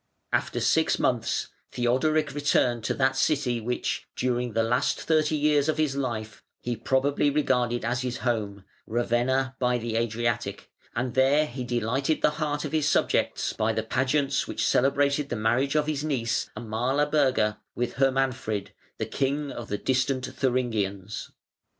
After six months Theodoric returned to that city, which, during the last thirty years of his life, he probably regarded as his home Ravenna by the Adriatic, and there he delighted the heart of his subjects by the pageants which celebrated the marriage of his niece Amalaberga with Hermanfrid, the king of the distant Thuringians.